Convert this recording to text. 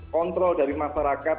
kontrol dari masyarakat